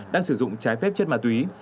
đang sử dụng trái phép chất ma túy